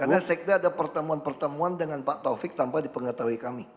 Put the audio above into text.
karena sekda ada pertemuan pertemuan dengan pak taufik tanpa dipengetahui kami